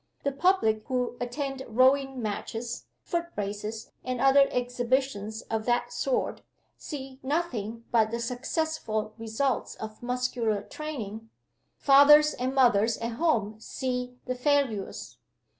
The public who attend rowing matches, foot races, and other exhibitions of that sort, see nothing but the successful results of muscular training. Fathers and mothers at home see the failures.